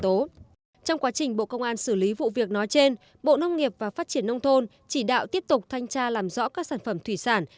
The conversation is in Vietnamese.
trong quá trình bộ công an xử lý vụ việc nói trên bộ nông nghiệp và phát triển nông thôn chỉ đạo tiếp tục thanh tra làm rõ các sản phẩm thủy sản